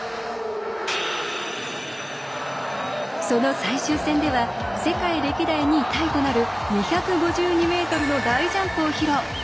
その最終戦では世界歴代２位タイとなる２５２ｍの大ジャンプを披露。